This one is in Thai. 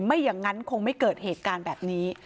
ไม่อย่างนั้นคงไม่เกิดเหตุการณ์แบบนี้